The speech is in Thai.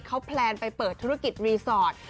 เขาแพลนไปเปิดธุรกิจรีสอร์ท